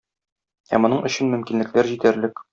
Ә моның өчен мөмкинлекләр җитәрлек.